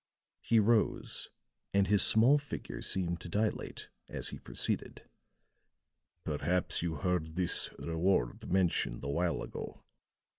He rose, and his small figure seemed to dilate as he proceeded: "Perhaps you heard this reward mentioned a while ago.